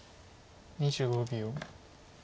２５秒。